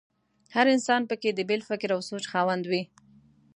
هر انسان په کې د بېل فکر او سوچ خاوند وي.